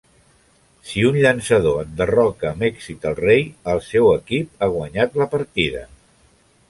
Si un llançador enderroca amb èxit el rei, el seu equip ha guanyat la partida.